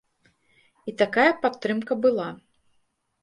І такая падтрымка была.